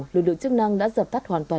lực lượng chức năng đã dập tắt hoàn toàn